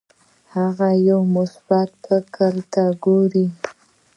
هغه یو مناسب فرصت ته ګوري.